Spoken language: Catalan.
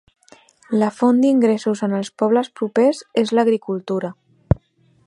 La font d'ingressos en els pobles propers és l'agricultura.